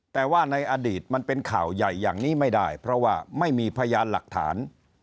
แต่ว่าในอดีตมันเป็นข่าวใหญ่อย่างนี้ไม่ได้เพราะว่าไม่มีพยานหลักฐาน